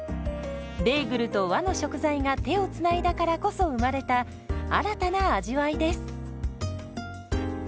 ベーグルと和の食材が手をつないだからこそ生まれた新たな味わいです。